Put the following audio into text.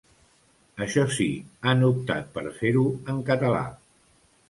Això sí, han optat per fer-ho en català.